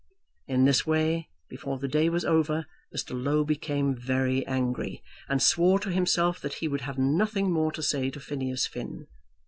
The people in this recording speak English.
In this way, before the day was over, Mr. Low became very angry, and swore to himself that he would have nothing more to say to Phineas Finn.